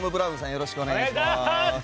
よろしくお願いします。